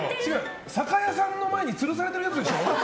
酒屋さんの前につるされてるやつでしょ。